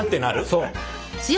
そう。